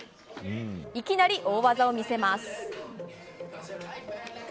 いきなり大技を見せます。